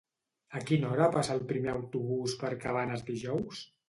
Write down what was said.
A quina hora passa el primer autobús per Cabanes dijous?